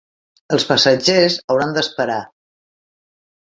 Els passatgers hauran d'esperar.